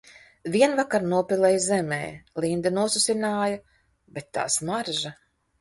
Vienvakar nopilēja zemē, Linda nosusināja, bet – tā smarža!